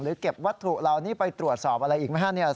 เก็บวัตถุเหล่านี้ไปตรวจสอบอะไรอีกไหมครับเนี่ย